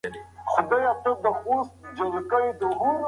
زعفران زموږ لارښود دی.